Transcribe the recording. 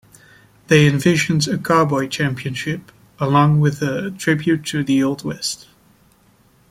They envisioned a cowboy championship along with a tribute to the Old West.